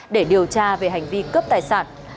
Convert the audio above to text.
để điều tra về hành vi cướp tài sản